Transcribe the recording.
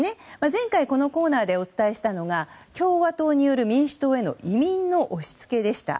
前回のこのコーナーでお伝えしたのが共和党による民主党への移民の押し付けでした。